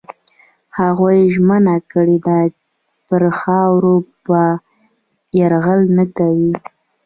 هغوی ژمنه کړې ده پر خاوره به یرغل نه کوي.